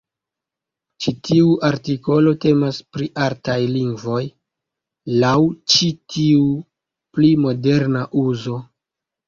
Ĉi tiu artikolo temas pri "artaj lingvoj" laŭ ĉi tiu pli moderna uzo.